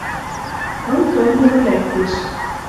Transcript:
КЫМ ТОМ ДОНО ЛӒКТЕШ